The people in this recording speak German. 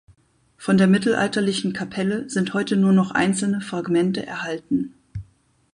Von der mittelalterlichen Kapelle sind heute nur noch einzelne Fragmente erhalten.